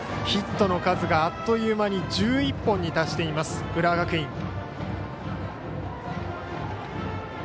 ヒットの数があっという間に１１本に達しています、浦和学院。